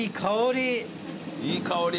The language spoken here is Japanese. いい香り。